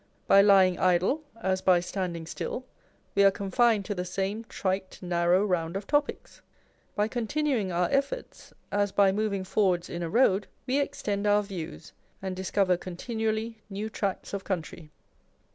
By lying idle, as by standing still, we are confined to the same trite, narrow round of topics : by continuing our efforts, as by moving forwards in a road, we extend our views, and discover continually new tracts of country.